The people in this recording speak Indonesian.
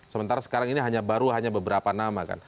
sementara sekarang ini baru hanya beberapa nama kan